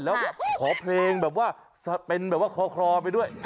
แล้วแบบขอเพลงแบบว่าเป็นแบบว่าคลอไปด้วย